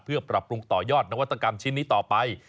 เพื่อปรับปรุงต่อยอดนวัตกรรมชิ้นนี้ต่อไป